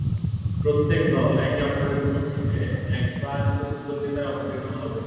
প্রত্যেক দল একে-অপরের বিপক্ষে একবার প্রতিদ্বন্দ্বিতায় অবতীর্ণ হবে।